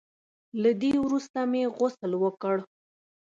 له دې وروسته مې غسل وکړ.